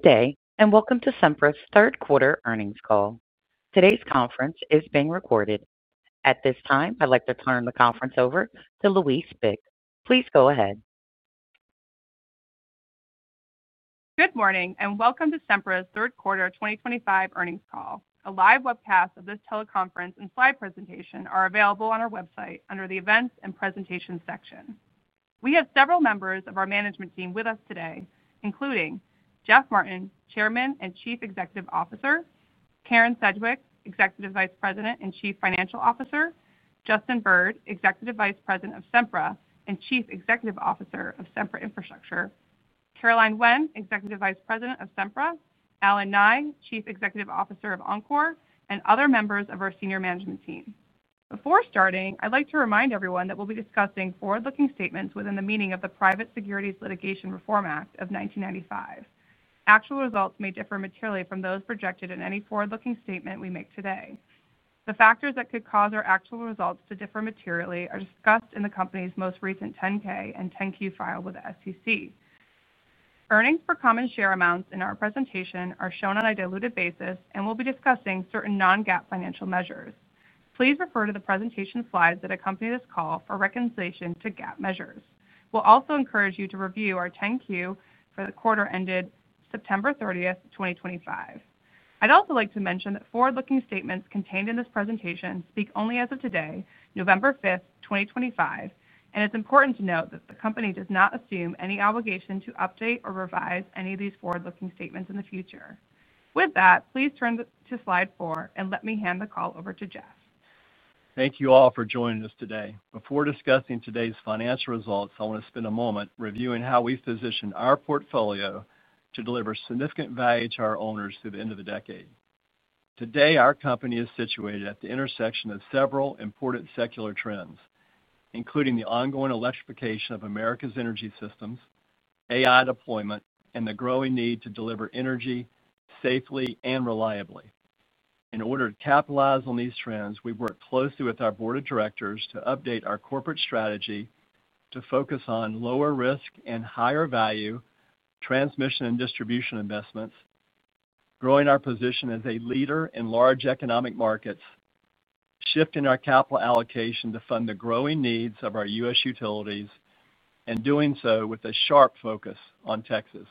Good day and welcome to Sempra's third quarter earnings call. Today's conference is being recorded. At this time, I'd like to turn the conference over to Louise Bick. Please go ahead. Good morning and welcome to Sempra's third quarter 2025 earnings call. A live webcast of this teleconference and slide presentation are available on our website under the events and presentations section. We have several members of our management team with us today, including Jeff Martin, Chairman and Chief Executive Officer; Karen Sedgwick, Executive Vice President and Chief Financial Officer; Justin Bird, Executive Vice President of Sempra and Chief Executive Officer of Sempra Infrastructure; Caroline Winn, Executive Vice President of Sempra; Allen Nye, Chief Executive Officer of Oncor; and other members of our senior management team. Before starting, I'd like to remind everyone that we'll be discussing forward-looking statements within the meaning of the Private Securities Litigation Reform Act of 1995. Actual results may differ materially from those projected in any forward-looking statement we make today. The factors that could cause our actual results to differ materially are discussed in the company's most recent 10-K and 10-Q filed with the SEC. Earnings per common share amounts in our presentation are shown on a diluted basis, and we'll be discussing certain non-GAAP financial measures. Please refer to the presentation slides that accompany this call for reconciliation to GAAP measures. We also encourage you to review our 10-Q for the quarter ended September 30th, 2025. I'd also like to mention that forward-looking statements contained in this presentation speak only as of today, November 5th, 2025, and it's important to note that the company does not assume any obligation to update or revise any of these forward-looking statements in the future. With that, please turn to slide four and let me hand the call over to Jeff. Thank you all for joining us today. Before discussing today's financial results, I want to spend a moment reviewing how we've positioned our portfolio to deliver significant value to our owners through the end of the decade. Today, our company is situated at the intersection of several important secular trends, including the ongoing electrification of America's energy systems, AI deployment, and the growing need to deliver energy safely and reliably. In order to capitalize on these trends, we've worked closely with our board of directors to update our corporate strategy to focus on lower risk and higher value transmission and distribution investments, growing our position as a leader in large economic markets, shifting our capital allocation to fund the growing needs of our U.S. utilities, and doing so with a sharp focus on Texas,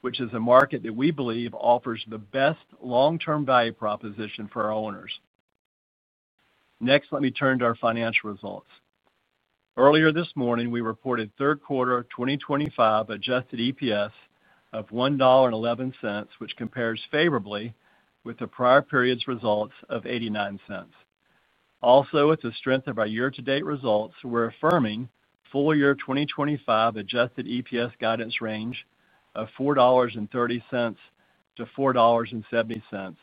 which is a market that we believe offers the best long-term value proposition for our owners. Next, let me turn to our financial results. Earlier this morning, we reported third quarter 2025 adjusted EPS of $1.11, which compares favorably with the prior period's results of $0.89. Also, with the strength of our year-to-date results, we're affirming full year 2025 adjusted EPS guidance range of $4.30-$4.70,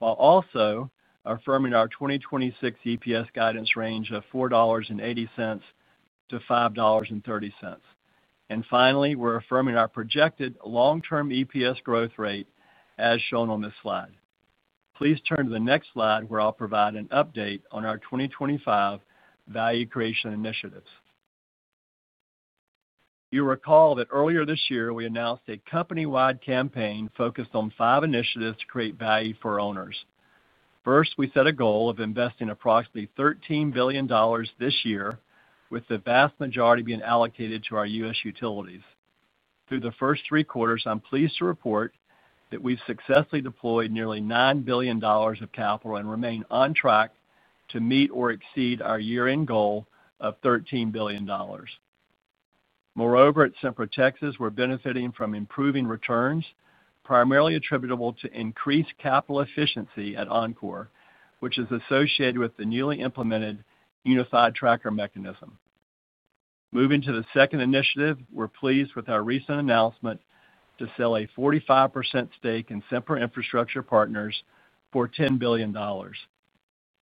while also affirming our 2026 EPS guidance range of $4.80-$5.30. Finally, we're affirming our projected long-term EPS growth rate as shown on this slide. Please turn to the next slide where I'll provide an update on our 2025 value creation initiatives. You recall that earlier this year, we announced a company-wide campaign focused on five initiatives to create value for owners. First, we set a goal of investing approximately $13 billion this year, with the vast majority being allocated to our U.S. utilities. Through the first three quarters, I'm pleased to report that we've successfully deployed nearly $9 billion of capital and remain on track to meet or exceed our year-end goal of $13 billion. Moreover, at Sempra Texas, we're benefiting from improving returns primarily attributable to increased capital efficiency at Oncor, which is associated with the newly implemented unified tracker mechanism. Moving to the second initiative, we're pleased with our recent announcement to sell a 45% stake in Sempra Infrastructure Partners for $10 billion.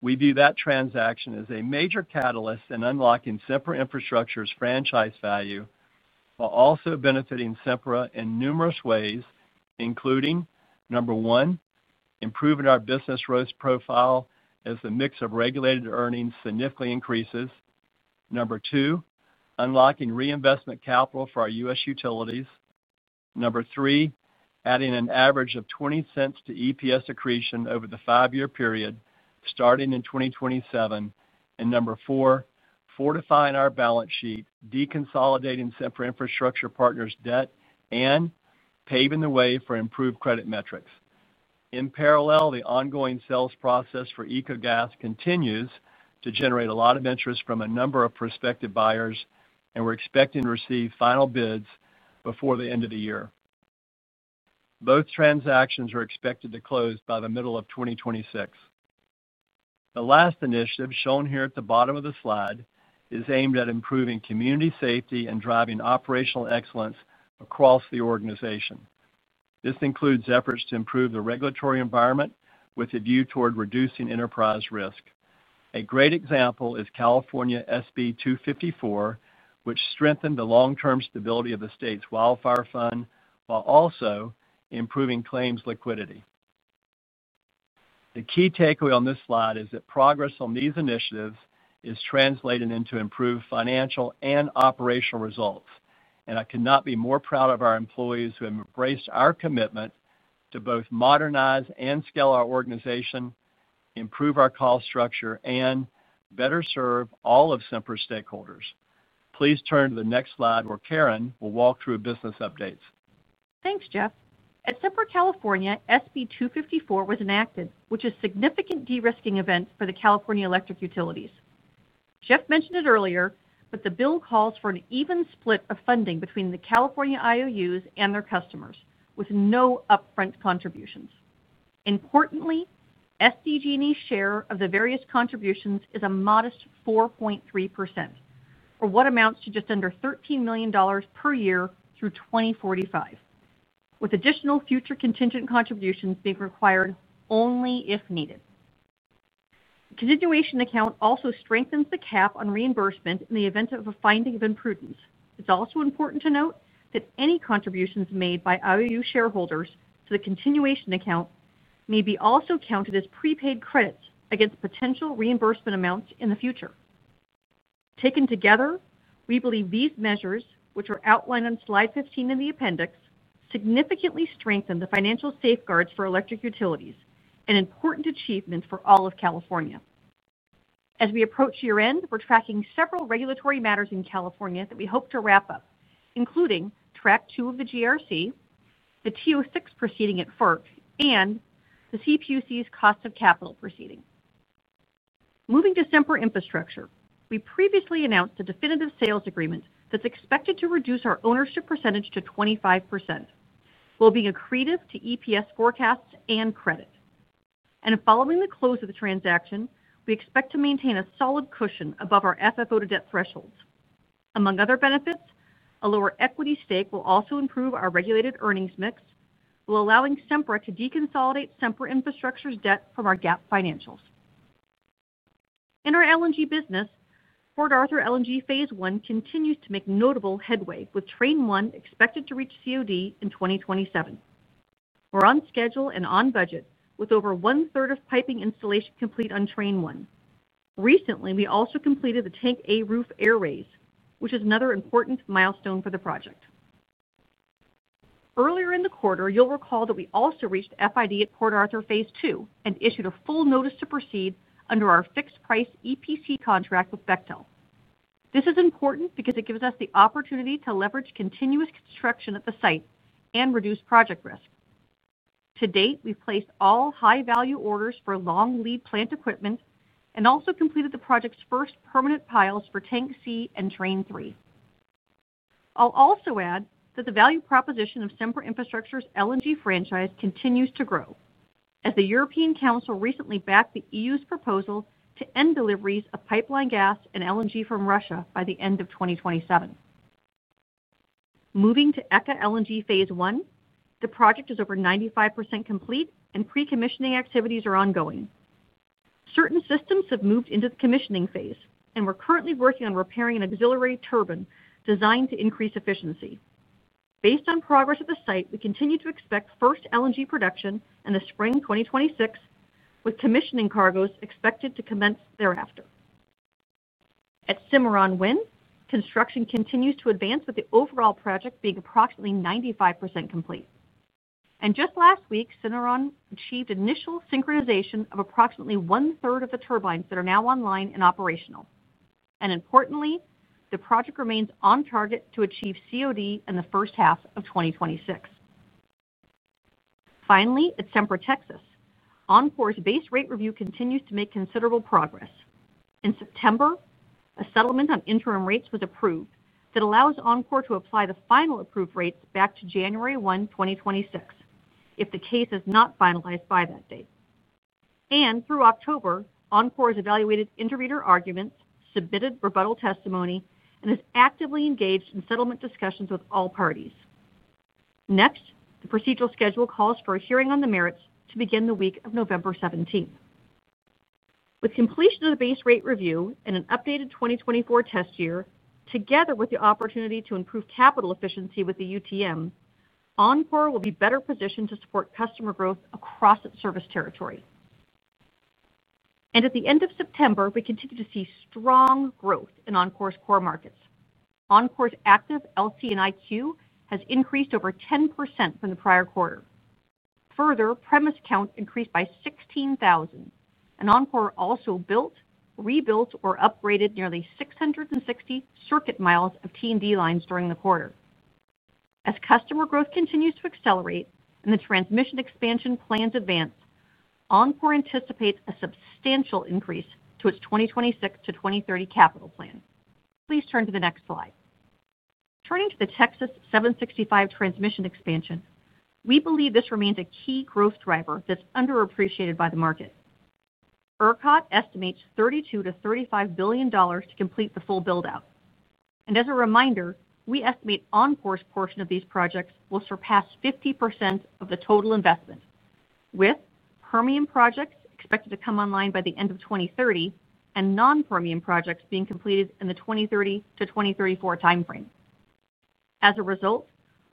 We view that transaction as a major catalyst in unlocking Sempra Infrastructure's franchise value, while also benefiting Sempra in numerous ways, including. Number one, improving our business growth profile as the mix of regulated earnings significantly increases. Number two, unlocking reinvestment capital for our U.S. utilities. Number three, adding an average of $0.20 to EPS accretion over the five-year period starting in 2027. Number four, fortifying our balance sheet, deconsolidating Sempra Infrastructure Partners' debt, and paving the way for improved credit metrics. In parallel, the ongoing sales process for Ecogas continues to generate a lot of interest from a number of prospective buyers, and we're expecting to receive final bids before the end of the year. Both transactions are expected to close by the middle of 2026. The last initiative shown here at the bottom of the slide is aimed at improving community safety and driving operational excellence across the organization. This includes efforts to improve the regulatory environment with a view toward reducing enterprise risk. A great example is California SB 254, which strengthened the long-term stability of the state's wildfire fund while also improving claims liquidity. The key takeaway on this slide is that progress on these initiatives is translated into improved financial and operational results, and I could not be more proud of our employees who have embraced our commitment to both modernize and scale our organization, improve our call structure, and better serve all of Sempra's stakeholders. Please turn to the next slide where Karen will walk through business updates. Thanks, Jeff. At Sempra California, SB 254 was enacted, which is a significant de-risking event for the California Electric Utilities. Jeff mentioned it earlier, but the bill calls for an even split of funding between the California IOUs and their customers with no upfront contributions. Importantly, SDG&E's share of the various contributions is a modest 4.3%, or what amounts to just under $13 million per year through 2045, with additional future contingent contributions being required only if needed. The continuation account also strengthens the cap on reimbursement in the event of a finding of imprudence. It's also important to note that any contributions made by IOU shareholders to the continuation account may also be counted as prepaid credits against potential reimbursement amounts in the future. Taken together, we believe these measures, which are outlined on slide 15 in the appendix, significantly strengthen the financial safeguards for electric utilities, an important achievement for all of California. As we approach year-end, we're tracking several regulatory matters in California that we hope to wrap up, including track two of the GRC, the TO-6 proceeding at FERC, and the CPUC's cost of capital proceeding. Moving to Sempra Infrastructure, we previously announced a definitive sales agreement that's expected to reduce our ownership percentage to 25%. We'll be accretive to EPS forecasts and credit. Following the close of the transaction, we expect to maintain a solid cushion above our FFO to debt thresholds. Among other benefits, a lower equity stake will also improve our regulated earnings mix while allowing Sempra to deconsolidate Sempra Infrastructure's debt from our GAAP financials. In our LNG business. Port Arthur LNG Phase I continues to make notable headway, with Train One expected to reach COD in 2027. We're on schedule and on budget, with over one-third of piping installation complete on Train One. Recently, we also completed the Tank A Roof Air Raise, which is another important milestone for the project. Earlier in the quarter, you'll recall that we also reached FID at Port Arthur Phase II and issued a full notice to proceed under our fixed-price EPC contract with Bechtel. This is important because it gives us the opportunity to leverage continuous construction at the site and reduce project risk. To date, we've placed all high-value orders for long lead plant equipment and also completed the project's first permanent piles for Tank C and Train Three. I'll also add that the value proposition of Sempra Infrastructure's LNG franchise continues to grow as the European Council recently backed the EU's proposal to end deliveries of pipeline gas and LNG from Russia by the end of 2027. Moving to ECA LNG Phase I, the project is over 95% complete, and pre-commissioning activities are ongoing. Certain systems have moved into the commissioning phase, and we're currently working on repairing an auxiliary turbine designed to increase efficiency. Based on progress at the site, we continue to expect first LNG production in the spring 2026, with commissioning cargos expected to commence thereafter. At Cameron LNG, construction continues to advance, with the overall project being approximately 95% complete. Just last week, Cameron achieved initial synchronization of approximately one-third of the turbines that are now online and operational. Importantly, the project remains on target to achieve COD in the first half of 2026. Finally, at Sempra Texas, Oncor's base rate review continues to make considerable progress. In September, a settlement on interim rates was approved that allows Oncor to apply the final approved rates back to January 1, 2026, if the case is not finalized by that date. Through October, Oncor has evaluated intervenor arguments, submitted rebuttal testimony, and is actively engaged in settlement discussions with all parties. Next, the procedural schedule calls for a hearing on the merits to begin the week of November 17th. With completion of the base rate review and an updated 2024 test year, together with the opportunity to improve capital efficiency with the UTM, Oncor will be better positioned to support customer growth across its service territory. At the end of September, we continue to see strong growth in Oncor's core markets. Oncor's activ`e LC&I queue has increased over 10% from the prior quarter. Further, premise count increased by 16,000, and Oncor also built, rebuilt, or upgraded nearly 660 circuit miles of T&D lines during the quarter. As customer growth continues to accelerate and the transmission expansion plans advance, Oncor anticipates a substantial increase to its 2026-2030 capital plan. Please turn to the next slide. Turning to the Texas 765 transmission expansion, we believe this remains a key growth driver that is underappreciated by the market. ERCOT estimates $32 billion-$35 billion to complete the full buildout. As a reminder, we estimate Oncor's portion of these projects will surpass 50% of the total investment, with Permian projects expected to come online by the end of 2030 and non-Permian projects being completed in the 2030-2034 timeframe. As a result,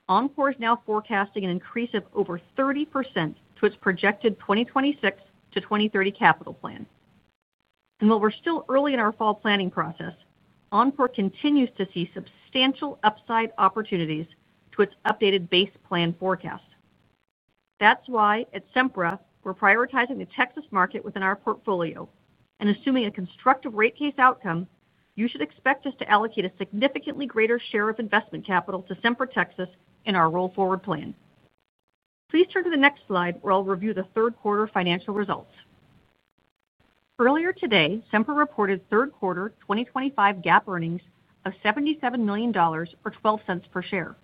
Oncor is now forecasting an increase of over 30% to its projected 2026-2030 capital plan. While we're still early in our fall planning process, Oncor continues to see substantial upside opportunities to its updated base plan forecast. That is why at Sempra, we're prioritizing the Texas market within our portfolio. Assuming a constructive rate case outcome, you should expect us to allocate a significantly greater share of investment capital to Sempra Texas in our roll-forward plan. Please turn to the next slide where I'll review the third quarter financial results. Earlier today, Sempra reported third quarter 2025 GAAP earnings of $77 million, or $0.12 per share.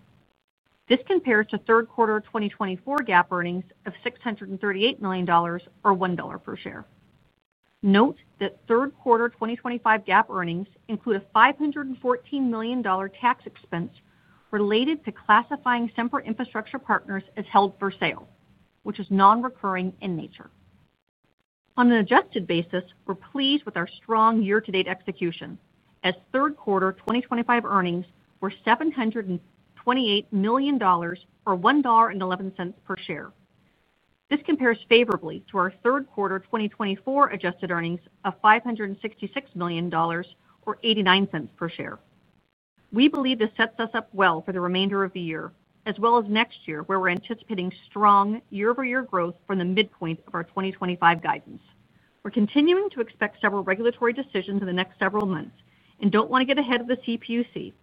This compares to third quarter 2024 GAAP earnings of $638 million, or $1 per share. Note that third quarter 2025 GAAP earnings include a $514 million tax expense related to classifying Sempra Infrastructure Partners as held for sale, which is non-recurring in nature. On an adjusted basis, we're pleased with our strong year-to-date execution as third quarter 2025 earnings were $728 million, or $1.11 per share. This compares favorably to our third quarter 2024 adjusted earnings of $566 million, or $0.89 per share. We believe this sets us up well for the remainder of the year, as well as next year, where we're anticipating strong year-over-year growth from the midpoint of our 2025 guidance. We're continuing to expect several regulatory decisions in the next several months and don't want to get ahead of the CPUC.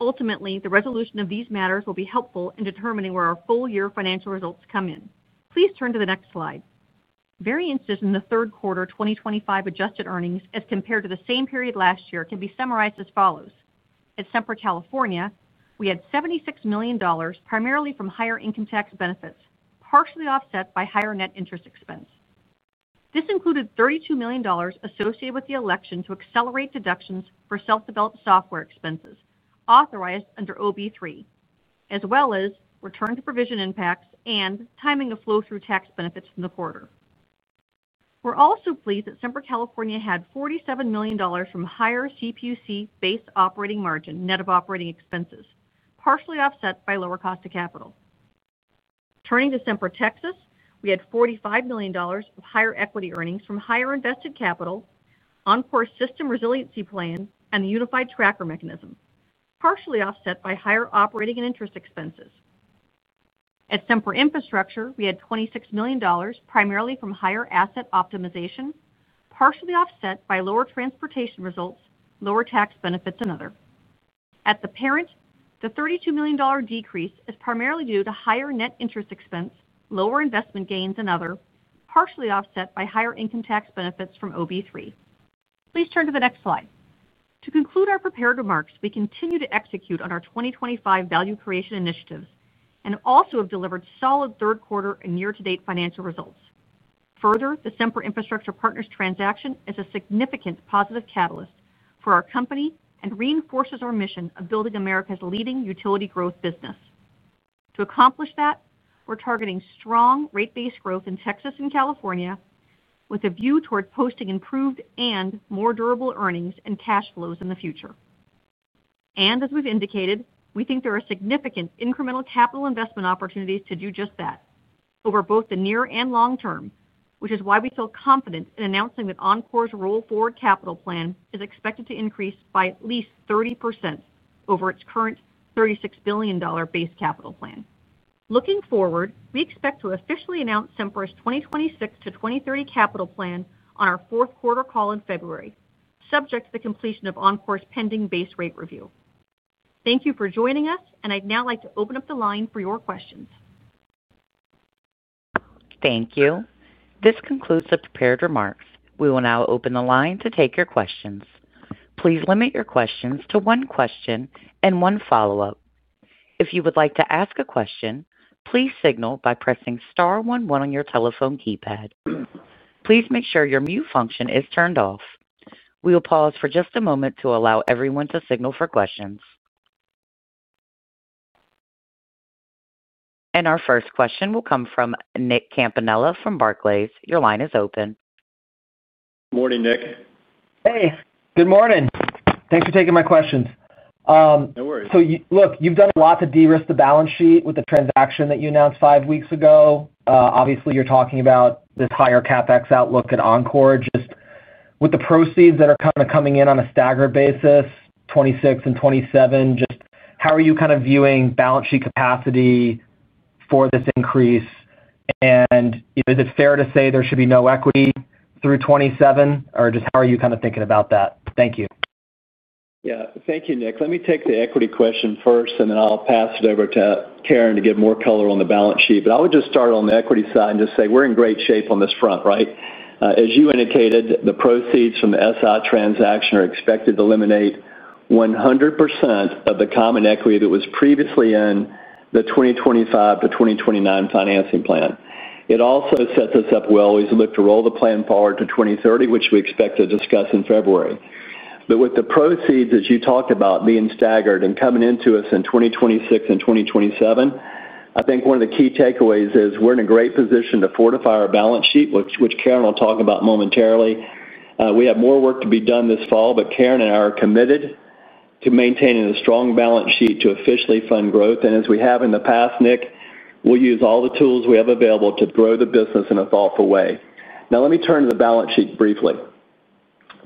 Ultimately, the resolution of these matters will be helpful in determining where our full-year financial results come in. Please turn to the next slide. Variances in the third quarter 2025 adjusted earnings as compared to the same period last year can be summarized as follows. At Sempra California, we had $76 million, primarily from higher income tax benefits, partially offset by higher net interest expense. This included $32 million associated with the election to accelerate deductions for self-developed software expenses authorized under OB-3, as well as return to provision impacts and timing of flow-through tax benefits in the quarter. We're also pleased that Sempra California had $47 million from higher CPUC-based operating margin net of operating expenses, partially offset by lower cost of capital. Turning to Sempra Texas, we had $45 million of higher equity earnings from higher invested capital, Oncor's system resiliency plan, and the unified tracker mechanism, partially offset by higher operating and interest expenses. At Sempra Infrastructure, we had $26 million, primarily from higher asset optimization, partially offset by lower transportation results, lower tax benefits, and other. At the parent, the $32 million decrease is primarily due to higher net interest expense, lower investment gains, and other, partially offset by higher income tax benefits from OB-3. Please turn to the next slide. To conclude our prepared remarks, we continue to execute on our 2025 value creation initiatives and also have delivered solid third quarter and year-to-date financial results. Further, the Sempra Infrastructure Partners transaction is a significant positive catalyst for our company and reinforces our mission of building America's leading utility growth business. To accomplish that, we're targeting strong rate-based growth in Texas and California, with a view toward posting improved and more durable earnings and cash flows in the future. As we've indicated, we think there are significant incremental capital investment opportunities to do just that over both the near and long term, which is why we feel confident in announcing that Oncor's roll-forward capital plan is expected to increase by at least 30% over its current $36 billion base capital plan. Looking forward, we expect to officially announce Sempra's 2026 to 2030 capital plan on our fourth quarter call in February, subject to the completion of Oncor's pending base rate review. Thank you for joining us, and I'd now like to open up the line for your questions. Thank you. This concludes the prepared remarks. We will now open the line to take your questions. Please limit your questions to one question and one follow-up. If you would like to ask a question, please signal by pressing star 11 on your telephone keypad. Please make sure your mute function is turned off. We will pause for just a moment to allow everyone to signal for questions. Our first question will come from Nick Campanella from Barclays. Your line is open. Good morning, Nick. Hey. Good morning. Thanks for taking my questions. No worries. Look, you've done a lot to de-risk the balance sheet with the transaction that you announced five weeks ago. Obviously, you're talking about this higher CapEx outlook at Oncor just with the proceeds that are kind of coming in on a staggered basis, 2026 and 2027. Just how are you kind of viewing balance sheet capacity for this increase? Is it fair to say there should be no equity through 2027? Or just how are you kind of thinking about that? Thank you. Yeah. Thank you, Nick. Let me take the equity question first, and then I'll pass it over to Karen to get more color on the balance sheet. I would just start on the equity side and just say we're in great shape on this front, right? As you indicated, the proceeds from the SI transaction are expected to eliminate 100% of the common equity that was previously in the 2025 to 2029 financing plan. It also sets us up well. We've looked to roll the plan forward to 2030, which we expect to discuss in February. With the proceeds, as you talked about, being staggered and coming into us in 2026 and 2027, I think one of the key takeaways is we're in a great position to fortify our balance sheet, which Karen will talk about momentarily. We have more work to be done this fall, but Karen and I are committed to maintaining a strong balance sheet to officially fund growth. As we have in the past, Nick, we will use all the tools we have available to grow the business in a thoughtful way. Now, let me turn to the balance sheet briefly.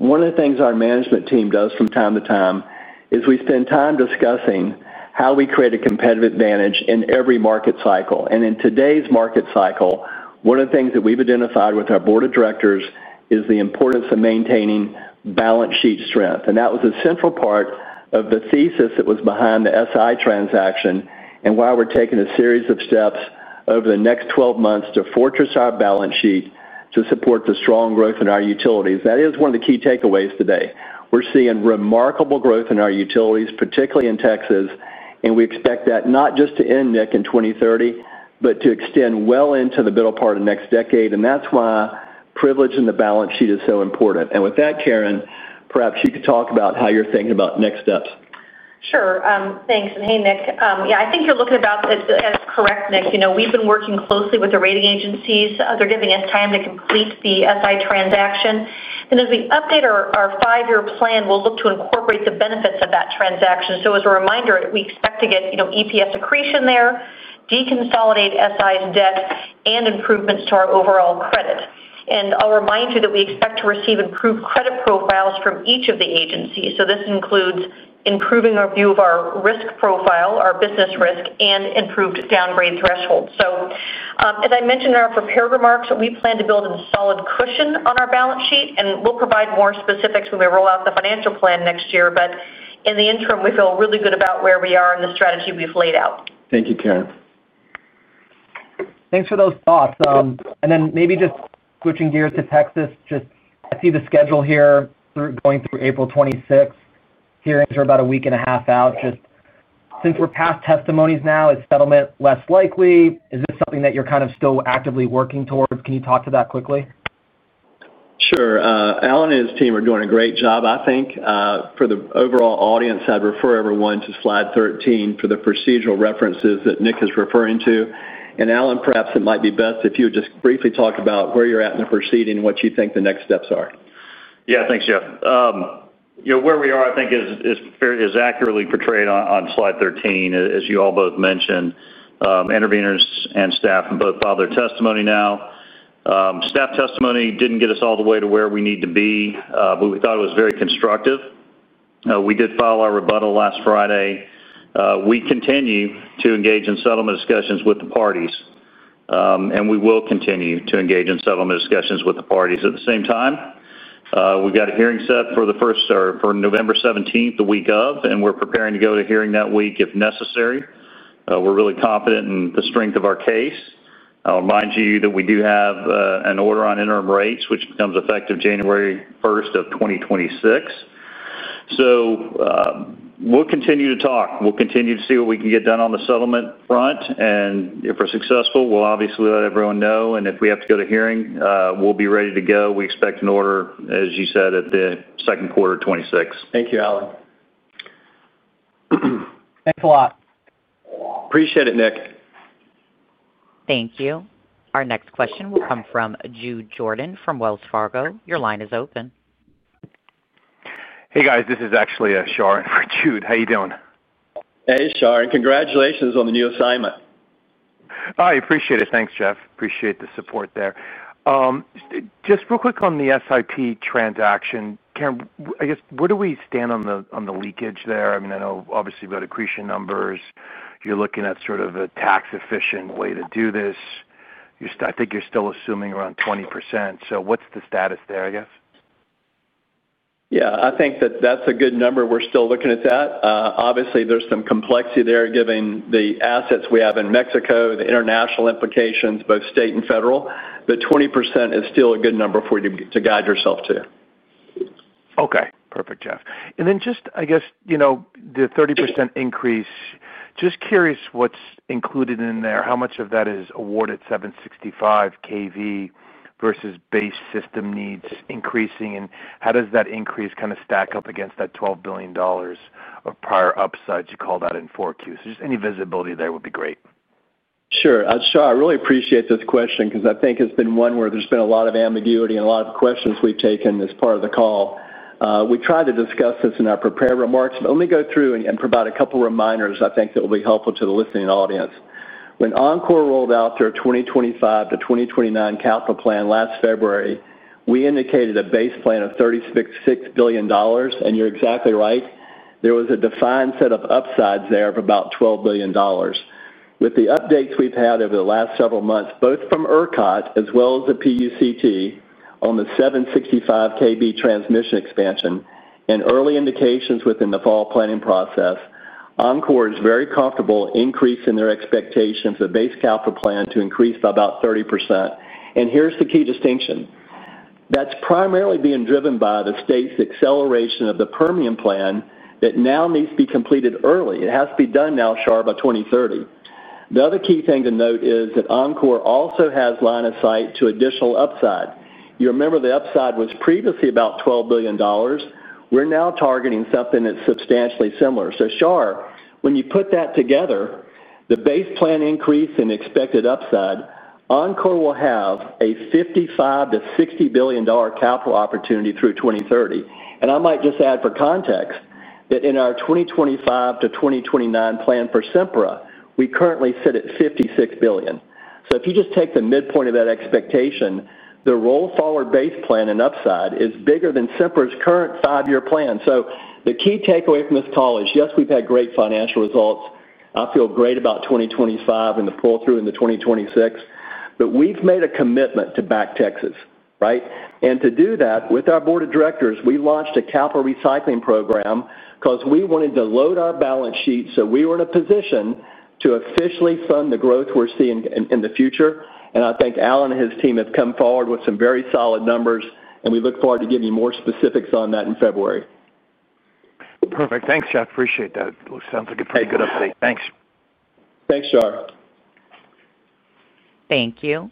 One of the things our management team does from time to time is we spend time discussing how we create a competitive advantage in every market cycle. In today's market cycle, one of the things that we have identified with our board of directors is the importance of maintaining balance sheet strength. That was a central part of the thesis that was behind the SI transaction and why we are taking a series of steps over the next 12 months to fortress our balance sheet to support the strong growth in our utilities. That is one of the key takeaways today. We are seeing remarkable growth in our utilities, particularly in Texas. We expect that not just to end, Nick, in 2030, but to extend well into the middle part of next decade. That is why privilege in the balance sheet is so important. With that, Karen, perhaps you could talk about how you are thinking about next steps. Sure. Thanks. Hey, Nick, yeah, I think you're looking at that as correct, Nick. We've been working closely with the rating agencies. They're giving us time to complete the SI transaction. As we update our five-year plan, we'll look to incorporate the benefits of that transaction. As a reminder, we expect to get EPS accretion there, deconsolidate SI's debt, and improvements to our overall credit. I'll remind you that we expect to receive improved credit profiles from each of the agencies. This includes improving our view of our risk profile, our business risk, and improved downgrade thresholds. As I mentioned in our prepared remarks, we plan to build a solid cushion on our balance sheet, and we'll provide more specifics when we roll out the financial plan next year. In the interim, we feel really good about where we are and the strategy we've laid out. Thank you, Karen. Thanks for those thoughts. Maybe just switching gears to Texas, I see the schedule here going through April 26. Hearings are about a week and a half out. Just since we're past testimonies now, is settlement less likely? Is this something that you're kind of still actively working towards? Can you talk to that quickly? Sure. Allen and his team are doing a great job, I think. For the overall audience, I'd refer everyone to slide 13 for the procedural references that Nick is referring to. Allen, perhaps it might be best if you would just briefly talk about where you're at in the proceeding and what you think the next steps are. Yeah. Thanks, Jeff. Where we are, I think, is accurately portrayed on slide 13, as you all both mentioned. Interveners and staff both file their testimony now. Staff testimony did not get us all the way to where we need to be, but we thought it was very constructive. We did file our rebuttal last Friday. We continue to engage in settlement discussions with the parties. We will continue to engage in settlement discussions with the parties. At the same time, we have a hearing set for November 17th, the week of, and we are preparing to go to hearing that week if necessary. We are really confident in the strength of our case. I will remind you that we do have an order on interim rates, which becomes effective January 1st of 2026. We will continue to talk. We will continue to see what we can get done on the settlement front. If we're successful, we'll obviously let everyone know. If we have to go to hearing, we'll be ready to go. We expect an order, as you said, at the second quarter of 2026. Thank you, Allen. Thanks a lot. Appreciate it, Nick. Thank you. Our next question will come from Jude Jordan from Wells Fargo. Your line is open. Hey, guys. This is actually Shar on for Jude. How are you doing? Hey, Shar. Congratulations on the new assignment. Oh, I appreciate it. Thanks, Jeff. Appreciate the support there. Just real quick on the SIP transaction. Karen, I guess, where do we stand on the leakage there? I mean, I know, obviously, we have got accretion numbers. You are looking at sort of a tax-efficient way to do this. I think you are still assuming around 20%. What is the status there, I guess? Yeah. I think that that's a good number. We're still looking at that. Obviously, there's some complexity there given the assets we have in Mexico, the international implications, both state and federal. But 20% is still a good number for you to guide yourself to. Okay. Perfect, Jeff. Just, I guess, the 30% increase, just curious what's included in there. How much of that is awarded 765 kV versus base system needs increasing? How does that increase kind of stack up against that $12 billion of prior upside, as you called that, in four Qs? Just any visibility there would be great. Sure. I really appreciate this question because I think it's been one where there's been a lot of ambiguity and a lot of questions we've taken as part of the call. We tried to discuss this in our prepared remarks, but let me go through and provide a couple of reminders, I think, that will be helpful to the listening audience. When Oncor rolled out their 2025 to 2029 capital plan last February, we indicated a base plan of $36 billion. You're exactly right. There was a defined set of upsides there of about $12 billion. With the updates we've had over the last several months, both from ERCOT as well as the PUCT on the 765 kV transmission expansion and early indications within the fall planning process, Oncor is very comfortable increasing their expectations of base capital plan to increase by about 30%. Here's the key distinction. That's primarily being driven by the state's acceleration of the Permian plan that now needs to be completed early. It has to be done now, Shar, by 2030. The other key thing to note is that Oncor also has line of sight to additional upside. You remember the upside was previously about $12 billion. We're now targeting something that's substantially similar. Shar, when you put that together, the base plan increase and expected upside, Oncor will have a $55 billion-$60 billion capital opportunity through 2030. I might just add for context that in our 2025 to 2029 plan for Sempra, we currently sit at $56 billion. If you just take the midpoint of that expectation, the roll-forward base plan and upside is bigger than Sempra's current five-year plan. The key takeaway from this call is, yes, we've had great financial results. I feel great about 2025 and the pull-through in 2026. We've made a commitment to back Texas, right? To do that, with our board of directors, we launched a capital recycling program because we wanted to load our balance sheet so we were in a position to officially fund the growth we're seeing in the future. I think Allen and his team have come forward with some very solid numbers, and we look forward to giving you more specifics on that in February. Perfect. Thanks, Jeff. Appreciate that. Sounds like a pretty good update. Thanks. Thanks, Shar. Thank you.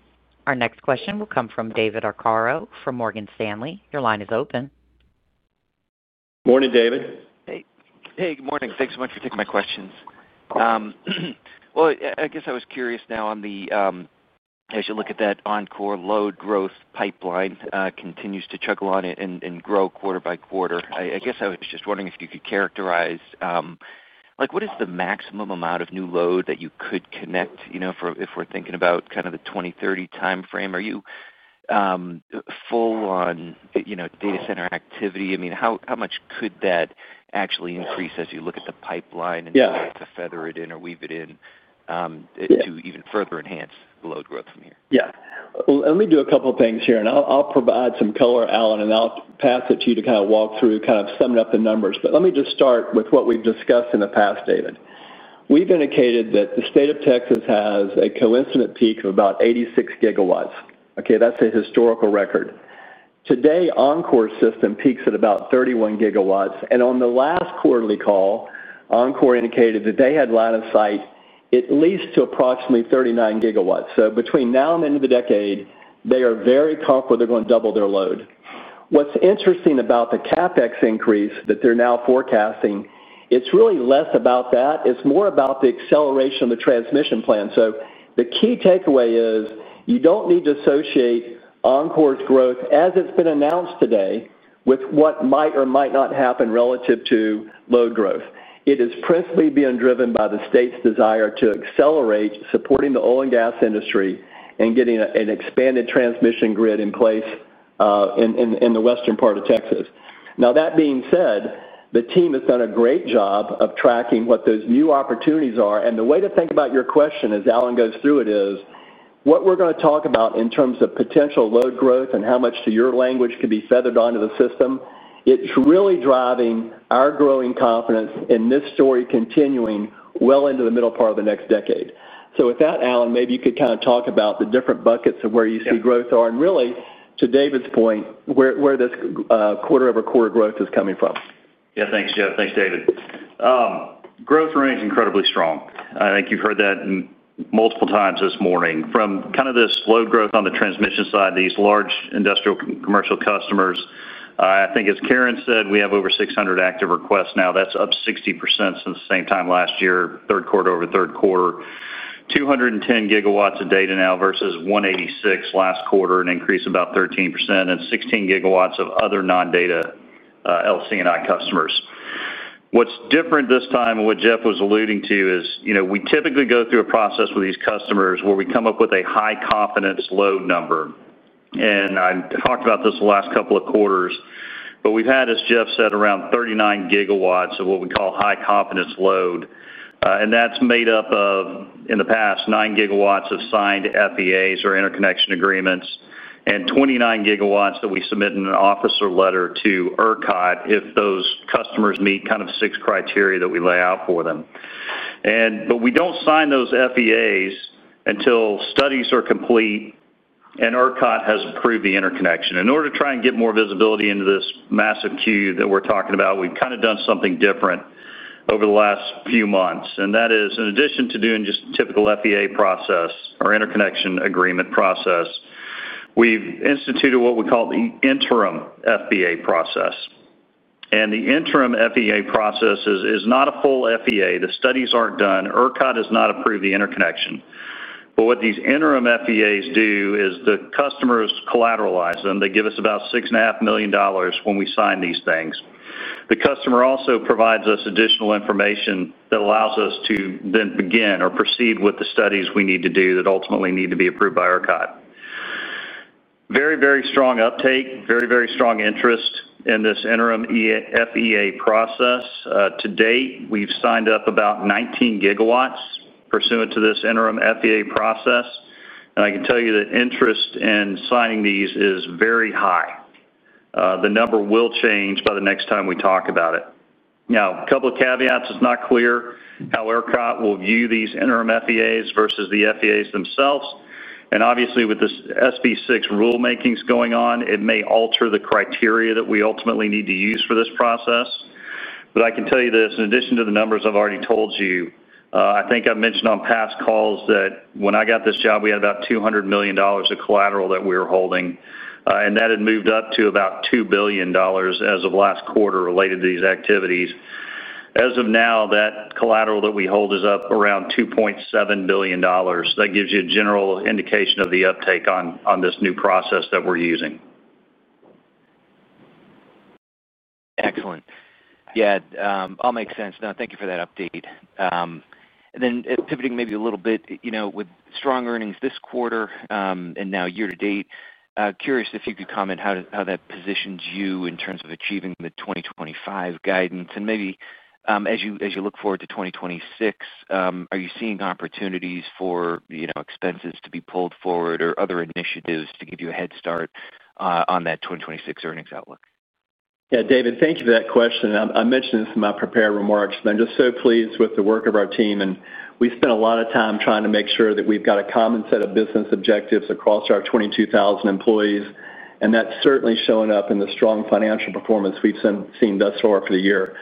Our next question will come from David Arcaro from Morgan Stanley. Your line is open. Morning, David. Hey. Good morning. Thanks so much for taking my questions. I guess I was curious now on the, as you look at that Oncor load growth pipeline, continues to chuckle on it and grow quarter by quarter. I guess I was just wondering if you could characterize, what is the maximum amount of new load that you could connect if we're thinking about kind of the 2030 timeframe? Are you full on data center activity? I mean, how much could that actually increase as you look at the pipeline and try to feather it in or weave it in to even further enhance the load growth from here? Yeah. Let me do a couple of things here, and I'll provide some color, Allen, and I'll pass it to you to kind of walk through, kind of sum it up in numbers. But let me just start with what we've discussed in the past, David. We've indicated that the state of Texas has a coincident peak of about 86 GW. Okay? That's a historical record. Today, Oncor's system peaks at about 31 GW. And on the last quarterly call, Oncor indicated that they had line of sight at least to approximately 39 GW. So between now and the end of the decade, they are very confident they're going to double their load. What's interesting about the CapEx increase that they're now forecasting, it's really less about that. It's more about the acceleration of the transmission plan. The key takeaway is you do not need to associate Oncor's growth, as it has been announced today, with what might or might not happen relative to load growth. It is principally being driven by the state's desire to accelerate supporting the oil and gas industry and getting an expanded transmission grid in place in the western part of Texas. That being said, the team has done a great job of tracking what those new opportunities are. The way to think about your question as Allen goes through it is what we are going to talk about in terms of potential load growth and how much, to your language, could be feathered onto the system. It is really driving our growing confidence in this story continuing well into the middle part of the next decade. With that, Allen, maybe you could kind of talk about the different buckets of where you see growth are. And really, to David's point, where this quarter-over-quarter growth is coming from. Yeah. Thanks, Jeff. Thanks, David. Growth remains incredibly strong. I think you've heard that multiple times this morning. From kind of this slow growth on the transmission side, these large industrial commercial customers, I think, as Karen said, we have over 600 active requests now. That's up 60% since the same time last year, third quarter over third quarter. 210 GW of data now versus 186 GW last quarter, an increase of about 13%, and 16 GW of other non-data LC&I customers. What's different this time and what Jeff was alluding to is we typically go through a process with these customers where we come up with a high-confidence load number. I talked about this the last couple of quarters. We've had, as Jeff said, around 39 GW of what we call high-confidence load. That's made up of, in the past, 9 GW of signed FEAs or interconnection agreements and 29 GW that we submit in an officer letter to ERCOT if those customers meet kind of six criteria that we lay out for them. We do not sign those FEAs until studies are complete, and ERCOT has approved the interconnection. In order to try and get more visibility into this massive queue that we're talking about, we've kind of done something different over the last few months. That is, in addition to doing just a typical FEA process or interconnection agreement process, we've instituted what we call the interim FEA process. The interim FEA process is not a full FEA. The studies are not done. ERCOT has not approved the interconnection. What these interim FEAs do is the customers collateralize them. They give us about $6.5 million when we sign these things. The customer also provides us additional information that allows us to then begin or proceed with the studies we need to do that ultimately need to be approved by ERCOT. Very, very strong uptake, very, very strong interest in this interim FEA process. To date, we've signed up about 19 GW pursuant to this interim FEA process. I can tell you that interest in signing these is very high. The number will change by the next time we talk about it. Now, a couple of caveats. It's not clear how ERCOT will view these interim FEAs versus the FEAs themselves. Obviously, with this SB6 rulemaking going on, it may alter the criteria that we ultimately need to use for this process. I can tell you this. In addition to the numbers I've already told you, I think I've mentioned on past calls that when I got this job, we had about $200 million of collateral that we were holding. That had moved up to about $2 billion as of last quarter related to these activities. As of now, that collateral that we hold is up around $2.7 billion. That gives you a general indication of the uptake on this new process that we're using. Excellent. Yeah. All makes sense. No, thank you for that update. Then pivoting maybe a little bit, with strong earnings this quarter and now year to date, curious if you could comment on how that positions you in terms of achieving the 2025 guidance. Maybe as you look forward to 2026, are you seeing opportunities for expenses to be pulled forward or other initiatives to give you a head start on that 2026 earnings outlook? Yeah, David, thank you for that question. I mentioned this in my prepared remarks, but I'm just so pleased with the work of our team. We spent a lot of time trying to make sure that we've got a common set of business objectives across our 22,000 employees. That's certainly showing up in the strong financial performance we've seen thus far for the year.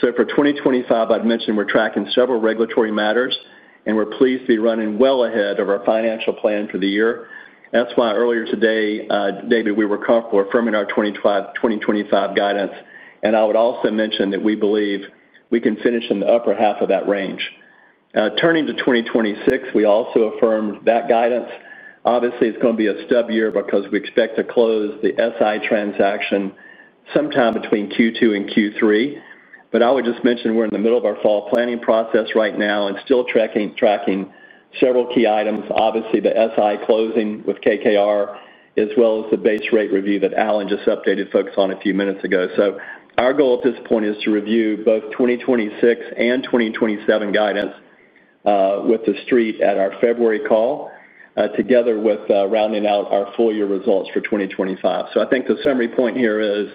For 2025, I'd mentioned we're tracking several regulatory matters, and we're pleased to be running well ahead of our financial plan for the year. That's why earlier today, David, we were comfortable affirming our 2025 guidance. I would also mention that we believe we can finish in the upper half of that range. Turning to 2026, we also affirmed that guidance. Obviously, it's going to be a stub year because we expect to close the SI transaction sometime between Q2 and Q3. I would just mention we're in the middle of our fall planning process right now and still tracking several key items. Obviously, the SI closing with KKR, as well as the base rate review that Allen just updated folks on a few minutes ago. Our goal at this point is to review both 2026 and 2027 guidance with the street at our February call, together with rounding out our full year results for 2025. I think the summary point here is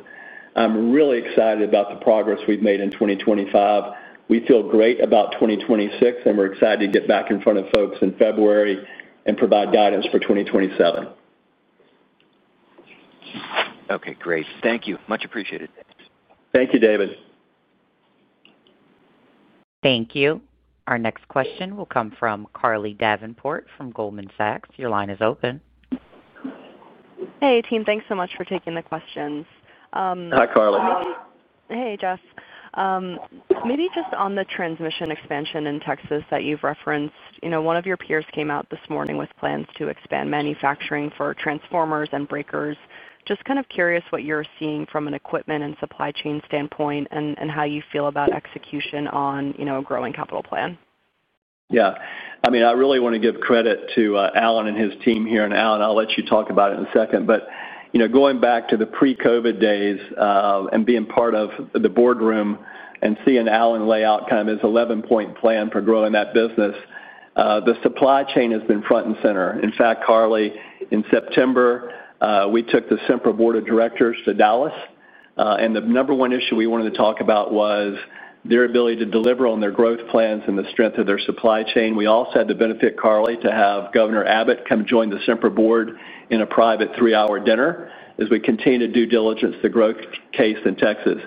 I'm really excited about the progress we've made in 2025. We feel great about 2026, and we're excited to get back in front of folks in February and provide guidance for 2027. Okay. Great. Thank you. Much appreciated. Thank you, David. Thank you. Our next question will come from Carly Davenport from Goldman Sachs. Your line is open. Hey, team. Thanks so much for taking the questions. Hi, Carly. Hey, Jeff. Maybe just on the transmission expansion in Texas that you've referenced, one of your peers came out this morning with plans to expand manufacturing for transformers and breakers. Just kind of curious what you're seeing from an equipment and supply chain standpoint and how you feel about execution on a growing capital plan. Yeah. I mean, I really want to give credit to Allen and his team here. And Allen, I'll let you talk about it in a second. But going back to the pre-COVID days and being part of the boardroom and seeing Allen lay out kind of his 11-point plan for growing that business. The supply chain has been front and center. In fact, Carly, in September, we took the Sempra Board of Directors to Dallas. And the number one issue we wanted to talk about was their ability to deliver on their growth plans and the strength of their supply chain. We also had the benefit, Carly, to have Governor Abbott come join the Sempra Board in a private three-hour dinner as we continue to do diligence the growth case in Texas.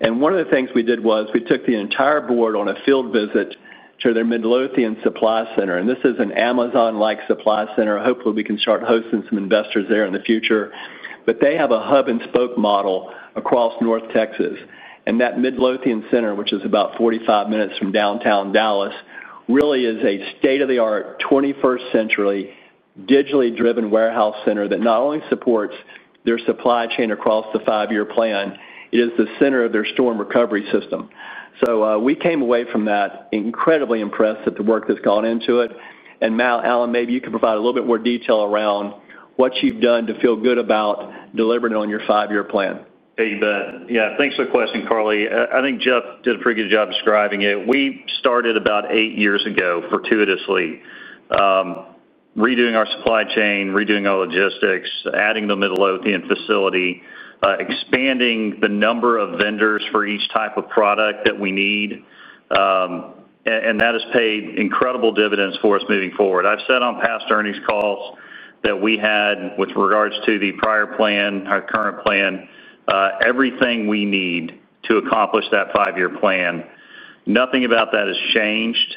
One of the things we did was we took the entire board on a field visit to their Midlothian supply center. This is an Amazon-like supply center. Hopefully, we can start hosting some investors there in the future. They have a hub-and-spoke model across North Texas. That Midlothian center, which is about 45 minutes from downtown Dallas, really is a state-of-the-art, 21st-century digitally driven warehouse center that not only supports their supply chain across the five-year plan, it is the center of their storm recovery system. We came away from that incredibly impressed at the work that's gone into it. Now, Allen, maybe you can provide a little bit more detail around what you've done to feel good about delivering on your five-year plan. Hey, Ben. Yeah. Thanks for the question, Carly. I think Jeff did a pretty good job describing it. We started about eight years ago fortuitously. Redoing our supply chain, redoing our logistics, adding the Midlothian facility, expanding the number of vendors for each type of product that we need. That has paid incredible dividends for us moving forward. I've said on past earnings calls that we had with regards to the prior plan, our current plan. Everything we need to accomplish that five-year plan. Nothing about that has changed.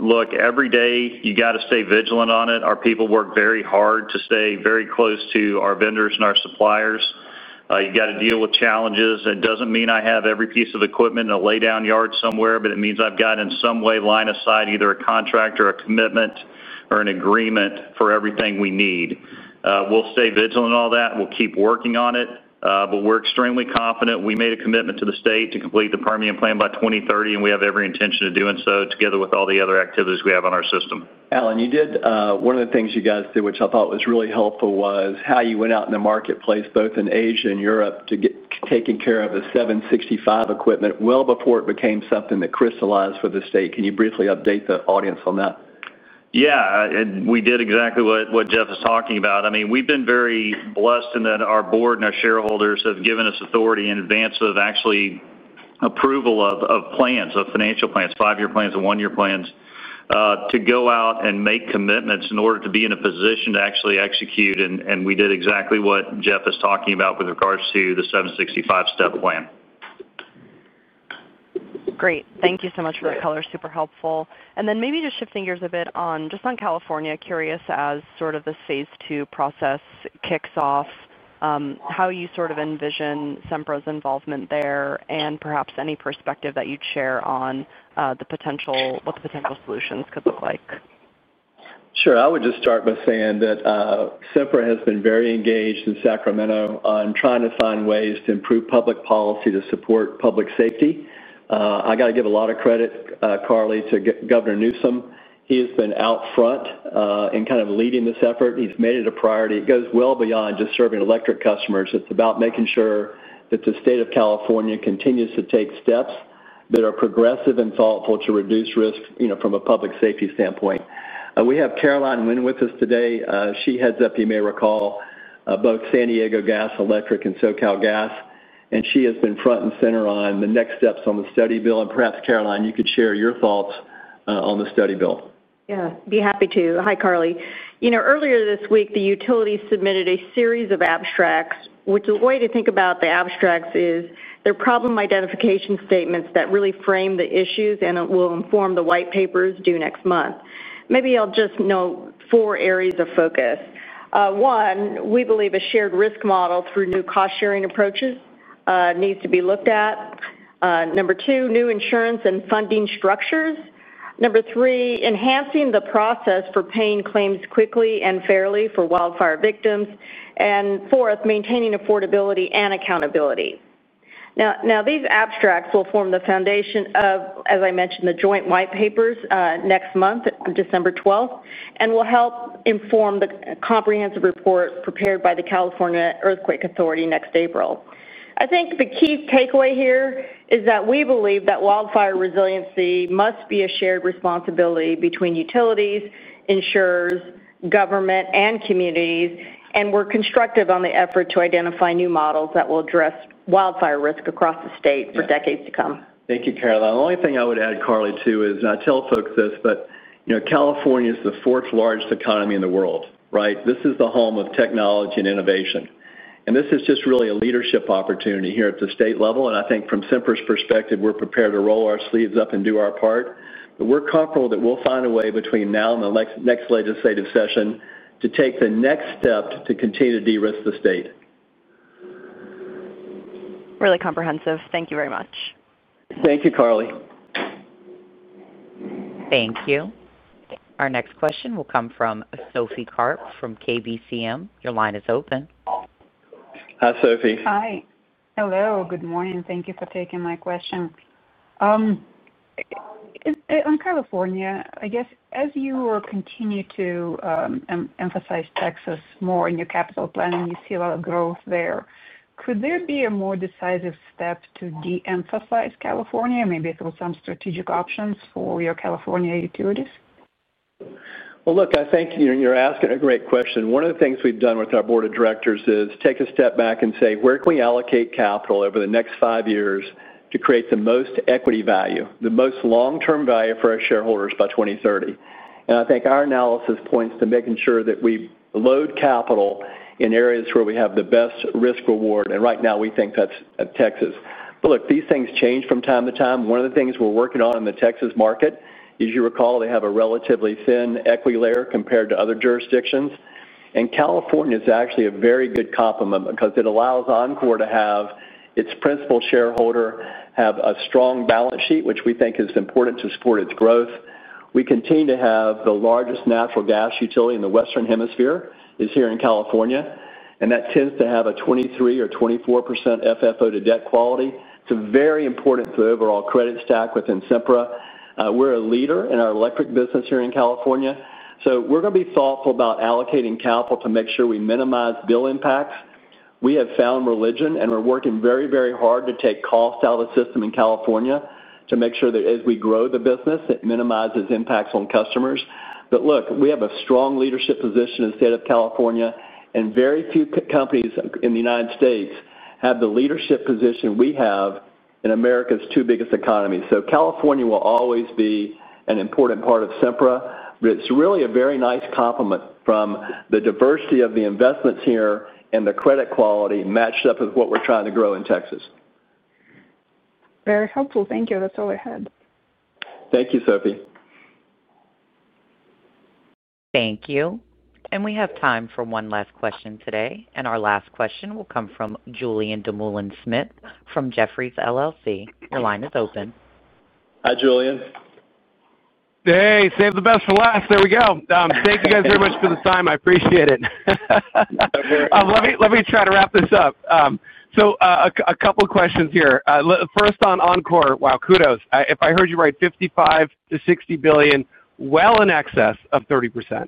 Look, every day you got to stay vigilant on it. Our people work very hard to stay very close to our vendors and our suppliers. You got to deal with challenges. It doesn't mean I have every piece of equipment in a laydown yard somewhere, but it means I've got in some way line of sight either a contract or a commitment or an agreement for everything we need. We'll stay vigilant on all that. We'll keep working on it. We are extremely confident. We made a commitment to the state to complete the Permian plan by 2030, and we have every intention of doing so together with all the other activities we have on our system. Allen, one of the things you guys did, which I thought was really helpful, was how you went out in the marketplace, both in Asia and Europe, to get taken care of the 765 equipment well before it became something that crystallized for the state. Can you briefly update the audience on that? Yeah. We did exactly what Jeff was talking about. I mean, we've been very blessed in that our board and our shareholders have given us authority in advance of actual approval of plans, of financial plans, five-year plans, and one-year plans to go out and make commitments in order to be in a position to actually execute. We did exactly what Jeff is talking about with regards to the 765 step plan. Great. Thank you so much for that. Color is super helpful. Maybe just shifting gears a bit on California, curious as sort of this phase two process kicks off. How you sort of envision Sempra's involvement there and perhaps any perspective that you'd share on what the potential solutions could look like. Sure. I would just start by saying that Sempra has been very engaged in Sacramento on trying to find ways to improve public policy to support public safety. I got to give a lot of credit, Carly, to Governor Newsom. He has been out front in kind of leading this effort. He's made it a priority. It goes well beyond just serving electric customers. It's about making sure that the state of California continues to take steps that are progressive and thoughtful to reduce risk from a public safety standpoint. We have Caroline Nguyen with us today. She heads up, you may recall, both San Diego Gas & Electric and SoCalGas. And she has been front and center on the next steps on the study bill. And perhaps, Caroline, you could share your thoughts on the study bill. Yeah. Be happy to. Hi, Carly. Earlier this week, the utilities submitted a series of abstracts, which the way to think about the abstracts is their problem identification statements that really frame the issues and will inform the white papers due next month. Maybe I'll just note four areas of focus. One, we believe a shared risk model through new cost-sharing approaches needs to be looked at. Number two, new insurance and funding structures. Number three, enhancing the process for paying claims quickly and fairly for wildfire victims. And fourth, maintaining affordability and accountability. Now, these abstracts will form the foundation of, as I mentioned, the joint white papers next month, December 12th, and will help inform the comprehensive report prepared by the California Earthquake Authority next April. I think the key takeaway here is that we believe that wildfire resiliency must be a shared responsibility between utilities, insurers, government, and communities, and we're constructive on the effort to identify new models that will address wildfire risk across the state for decades to come. Thank you, Caroline. The only thing I would add, Carly, too, is I tell folks this, but. California is the fourth-largest economy in the world, right? This is the home of technology and innovation. This is just really a leadership opportunity here at the state level. I think from Sempra's perspective, we're prepared to roll our sleeves up and do our part. We're comfortable that we'll find a way between now and the next legislative session to take the next step to continue to de-risk the state. Really comprehensive. Thank you very much. Thank you, Carly. Thank you. Our next question will come from Sophie Karp from KBCM. Your line is open. Hi, Sophie. Hi. Hello. Good morning. Thank you for taking my question. In California, I guess, as you continue to emphasize Texas more in your capital planning, you see a lot of growth there. Could there be a more decisive step to de-emphasize California, maybe through some strategic options for your California utilities? I think you're asking a great question. One of the things we've done with our board of directors is take a step back and say, where can we allocate capital over the next five years to create the most equity value, the most long-term value for our shareholders by 2030? I think our analysis points to making sure that we load capital in areas where we have the best risk-reward. Right now, we think that's Texas. These things change from time to time. One of the things we're working on in the Texas market is, you recall, they have a relatively thin equity layer compared to other jurisdictions. California is actually a very good complement because it allows Oncor to have its principal shareholder have a strong balance sheet, which we think is important to support its growth. We continue to have the largest natural gas utility in the Western Hemisphere; it is here in California. That tends to have a 23% or 24% FFO to debt quality. It is very important to the overall credit stack within Sempra. We are a leader in our electric business here in California. We are going to be thoughtful about allocating capital to make sure we minimize bill impacts. We have found religion, and we are working very, very hard to take costs out of the system in California to make sure that as we grow the business, it minimizes impacts on customers. Look, we have a strong leadership position in the state of California, and very few companies in the United States have the leadership position we have in America's two biggest economies. California will always be an important part of Sempra, but it's really a very nice complement from the diversity of the investments here and the credit quality matched up with what we're trying to grow in Texas. Very helpful. Thank you. That's all I had. Thank you, Sophie. Thank you. We have time for one last question today. Our last question will come from Julien Dumoulin-Smith from Jefferies LLC. Your line is open. Hi, Julian. Hey, save the best for last. There we go. Thank you guys very much for the time. I appreciate it. That works. Let me try to wrap this up. A couple of questions here. First, on Oncor, wow, kudos. If I heard you right, $55 billion to $60 billion, well in excess of 30%.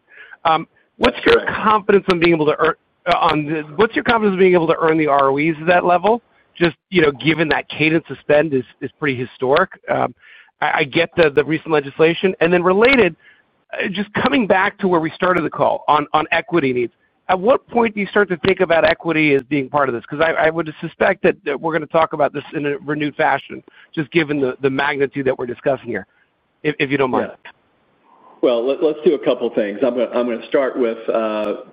What's your confidence in being able to earn the ROEs at that level? Just given that cadence of spend is pretty historic. I get the recent legislation. Related, just coming back to where we started the call on equity needs, at what point do you start to think about equity as being part of this? I would suspect that we're going to talk about this in a renewed fashion, just given the magnitude that we're discussing here, if you don't mind. Yeah. Let's do a couple of things. I'm going to start with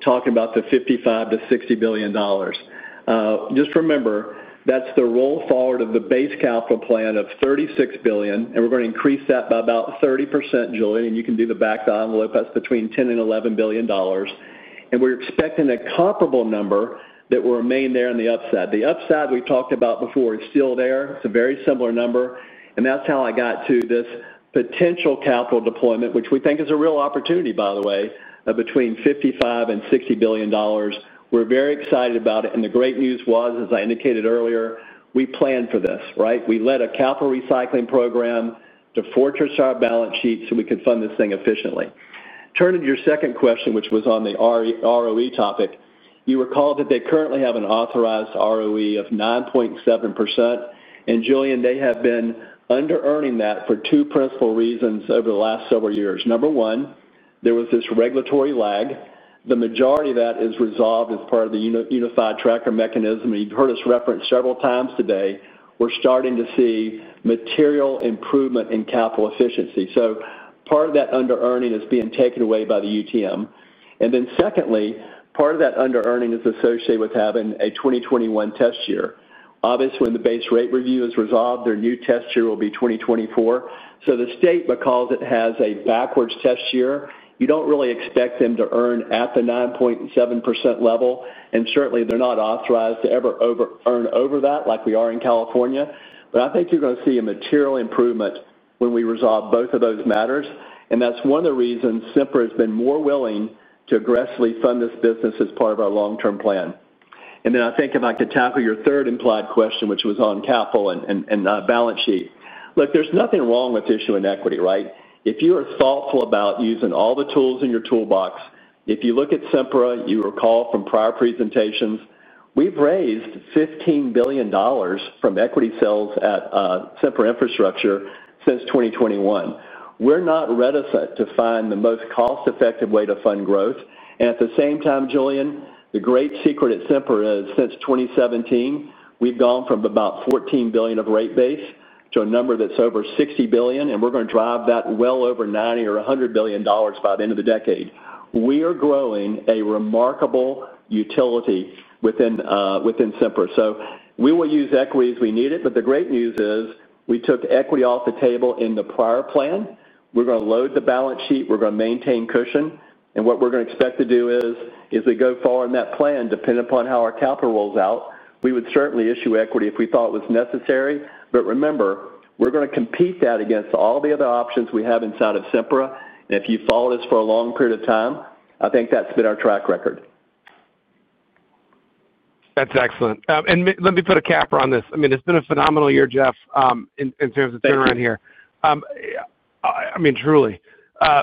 talking about the $55 billion-$60 billion. Just remember, that's the roll forward of the base capital plan of $36 billion. We're going to increase that by about 30%, Julian, and you can do the back to Oncor between $10 billion and $11 billion. We're expecting a comparable number that will remain there in the upside. The upside we talked about before is still there. It's a very similar number. That's how I got to this potential capital deployment, which we think is a real opportunity, by the way, between $55 billion and $60 billion. We're very excited about it. The great news was, as I indicated earlier, we planned for this, right? We led a capital recycling program to fortress our balance sheet so we could fund this thing efficiently. Turning to your second question, which was on the ROE topic, you recall that they currently have an authorized ROE of 9.7%. Julian, they have been under-earning that for two principal reasons over the last several years. Number one, there was this regulatory lag. The majority of that is resolved as part of the unified tracker mechanism, and you've heard us reference several times today. We're starting to see material improvement in capital efficiency. Part of that under-earning is being taken away by the UTM. Secondly, part of that under-earning is associated with having a 2021 test year. Obviously, when the base rate review is resolved, their new test year will be 2024. The state, because it has a backwards test year, you don't really expect them to earn at the 9.7% level. Certainly, they're not authorized to ever earn over that like we are in California. I think you're going to see a material improvement when we resolve both of those matters. That's one of the reasons Sempra has been more willing to aggressively fund this business as part of our long-term plan. I think if I could tackle your third implied question, which was on capital and balance sheet. Look, there's nothing wrong with issuing equity, right? If you are thoughtful about using all the tools in your toolbox, if you look at Sempra, you recall from prior presentations, we've raised $15 billion from equity sales at Sempra Infrastructure since 2021. We're not reticent to find the most cost-effective way to fund growth. At the same time, Julian, the great secret at Sempra is, since 2017, we've gone from about $14 billion of rate base to a number that's over $60 billion, and we're going to drive that well over $90 billion or $100 billion by the end of the decade. We are growing a remarkable utility within Sempra. We will use equity as we need it. The great news is we took equity off the table in the prior plan. We're going to load the balance sheet. We're going to maintain cushion. What we're going to expect to do is, as we go forward in that plan, depending upon how our capital rolls out, we would certainly issue equity if we thought it was necessary. Remember, we're going to compete that against all the other options we have inside of Sempra. If you follow this for a long period of time, I think that's been our track record. That's excellent. Let me put a capper on this. I mean, it's been a phenomenal year, Jeff, in terms of turning around here. I mean, truly.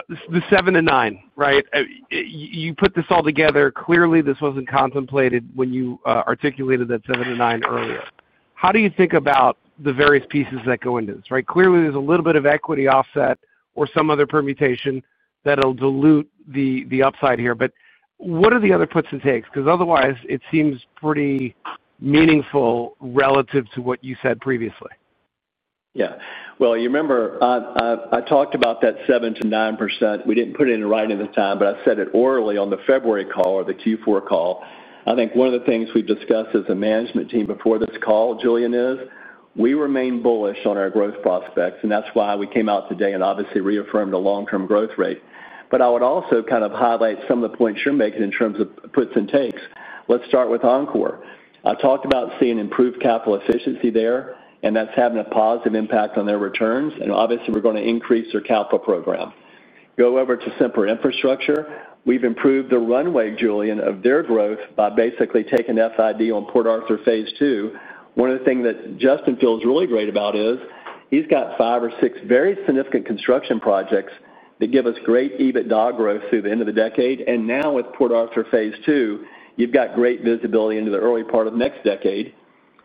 The seven and nine, right? You put this all together. Clearly, this was not contemplated when you articulated that seven and nine earlier. How do you think about the various pieces that go into this, right? Clearly, there is a little bit of equity offset or some other permutation that will dilute the upside here. What are the other puts and takes? Otherwise, it seems pretty meaningful relative to what you said previously. Yeah. You remember I talked about that 7%-9%. We did not put it in writing at the time, but I said it orally on the February call or the Q4 call. I think one of the things we have discussed as a management team before this call, Julian, is we remain bullish on our growth prospects. That is why we came out today and obviously reaffirmed a long-term growth rate. I would also kind of highlight some of the points you are making in terms of puts and takes. Let's start with Oncor. I talked about seeing improved capital efficiency there, and that is having a positive impact on their returns. Obviously, we are going to increase their capital program. Go over to Sempra Infrastructure. We have improved the runway, Julian, of their growth by basically taking FID on Port Arthur Phase II. One of the things that Justin feels really great about is he's got five or six very significant construction projects that give us great EBITDA growth through the end of the decade. Now, with Port Arthur Phase II, you've got great visibility into the early part of next decade.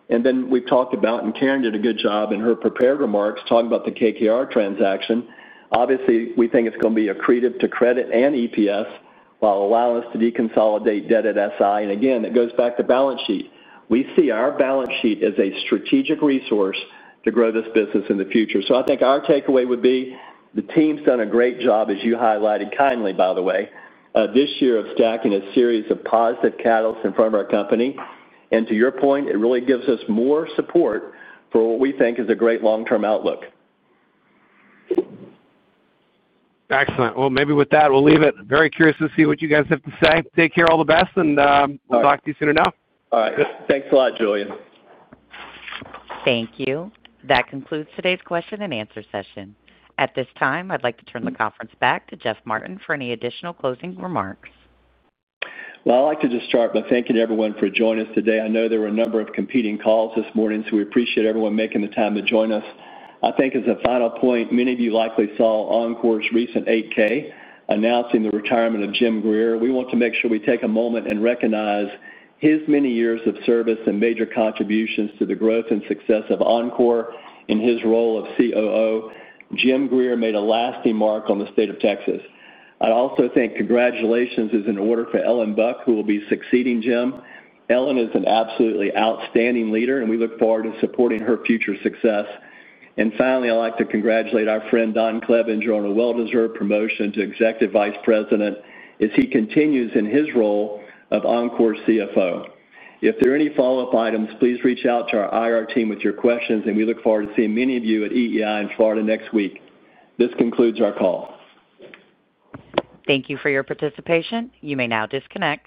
We have talked about, and Karen did a good job in her prepared remarks talking about the KKR transaction. Obviously, we think it's going to be accretive to credit and EPS while allowing us to deconsolidate debt at SI. It goes back to balance sheet. We see our balance sheet as a strategic resource to grow this business in the future. I think our takeaway would be the team's done a great job, as you highlighted kindly, by the way, this year of stacking a series of positive catalysts in front of our company. To your point, it really gives us more support for what we think is a great long-term outlook. Excellent. Maybe with that, we'll leave it. Very curious to see what you guys have to say. Take care, all the best, and talk to you sooner now. All right. Thanks a lot, Julien. Thank you. That concludes today's question and answer session. At this time, I'd like to turn the conference back to Jeff Martin for any additional closing remarks. I would like to just start by thanking everyone for joining us today. I know there were a number of competing calls this morning, so we appreciate everyone making the time to join us. I think as a final point, many of you likely saw Oncor's recent 8K announcing the retirement of Jim Greer. We want to make sure we take a moment and recognize his many years of service and major contributions to the growth and success of Oncor in his role of COO. Jim Greer made a lasting mark on the state of Texas. I also think congratulations is in order for Ellen Buck, who will be succeeding Jim. Ellen is an absolutely outstanding leader, and we look forward to supporting her future success. Finally, I'd like to congratulate our friend Don Clevenger on a well-deserved promotion to Executive Vice President as he continues in his role of Oncor's CFO. If there are any follow-up items, please reach out to our IR team with your questions, and we look forward to seeing many of you at EEI in Florida next week. This concludes our call. Thank you for your participation. You may now disconnect.